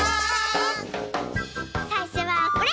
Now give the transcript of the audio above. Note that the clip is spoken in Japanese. さいしょはこれ！